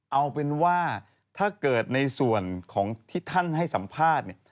เอาเป็นว่าถ้าเกิดในส่วนของที่ท่านให้สัมภาษณ์เนี่ย